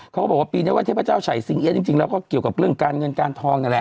เขาบอกว่าปีนี้ว่าเทพเจ้าฉ่ายซิงเอี๊ยจริงแล้วก็เกี่ยวกับเรื่องการเงินการทองนั่นแหละ